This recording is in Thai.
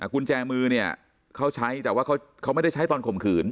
กุญแจมือเนี่ยเขาใช้แต่ว่าเขาไม่ได้ใช้ตอนข่มขืน